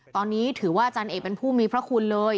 ตอนนี้ถือว่าอาจารย์เอกเป็นผู้มีพระคุณเลย